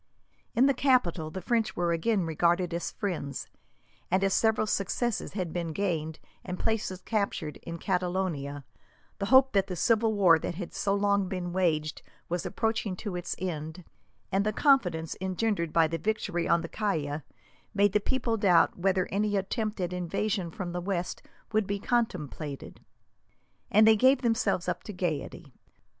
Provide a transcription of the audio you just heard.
In the capital the French were again regarded as friends, and as several successes had been gained and places captured, in Catalonia, the hope that the civil war that had so long been waged was approaching its end, and the confidence engendered by the victory on the Caya, made the people doubt whether any attempt at invasion from the west would be contemplated, and they gave themselves up to gaiety.